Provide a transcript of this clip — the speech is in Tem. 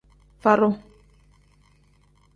Fadu.